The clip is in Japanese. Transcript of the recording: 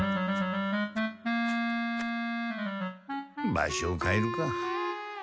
場所をかえるか。